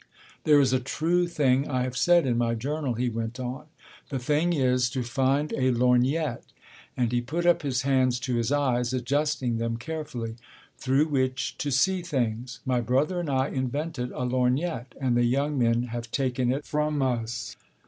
'There is a true thing I have said in my journal,' he went on. 'The thing is, to find a lorgnette' (and he put up his hands to his eyes, adjusting them carefully) 'through which to see things. My brother and I invented a lorgnette, and the young men have taken it from us.'